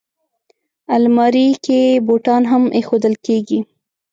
الماري کې بوټان هم ایښودل کېږي